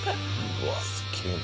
うわっすげえな。